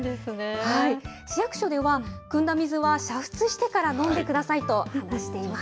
市役所ではくんだ水は煮沸してから飲んでくださいと話しています。